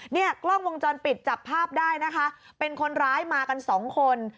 เนี่ยกล้องวงจรปิดจับภาพได้นะคะเป็นคนร้ายมากันสองคน